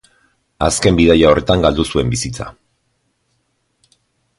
Azken bidaia horretan galdu zuen bizitza.